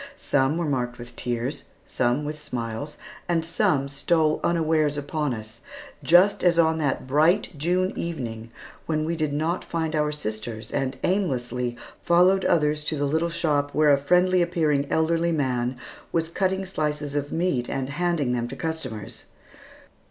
Some were marked with tears, some with smiles, and some stole unawares upon us, just as on that bright June evening, when we did not find our sisters, and aimlessly followed others to the little shop where a friendly appearing elderly man was cutting slices of meat and handing them to customers.